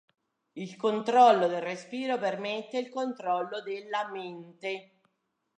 Il controllo del respiro permette il controllo della mente.